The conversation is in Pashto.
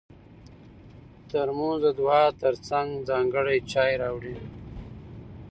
ترموز د دعا تر څنګ چای راوړي.